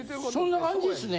そんな感じですね。